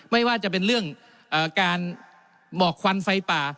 ไม่ว่าจะเป็นเรื่องการหมอกควันไฟป่า